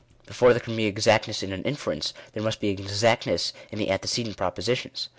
Before there can be exactness in an inference, there must be exactness in the antecedent propositions.